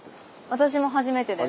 私も初めてです。